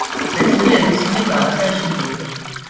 Cette série est dessinée par Asai Shingo.